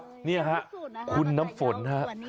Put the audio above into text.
ที่นี่มันเสาครับ